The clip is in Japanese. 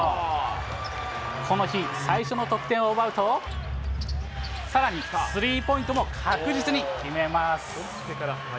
この日、最初の得点を奪うと、さらにスリーポイントも確実に決めます。